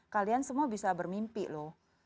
kalian semua bisa bermimpi loh